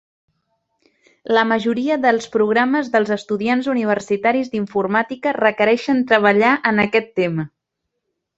La majoria dels programes dels estudiants universitaris d'informàtica requereixen treballar en aquest tema.